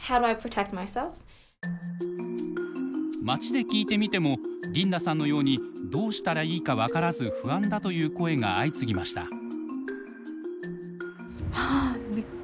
街で聞いてみてもリンダさんのようにどうしたらいいか分からず不安だという声が相次ぎました。